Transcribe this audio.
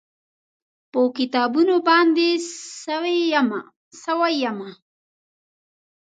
په کتابونو باندې سوی یمه